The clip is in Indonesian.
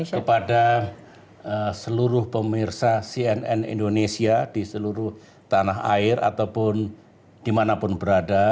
kepada seluruh pemirsa cnn indonesia di seluruh tanah air ataupun dimanapun berada